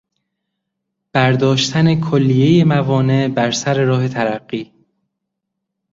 برداشتن کلیهی موانع بر سر راه ترقی